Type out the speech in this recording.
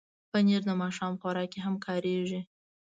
پنېر د ماښام خوراک کې هم کارېږي.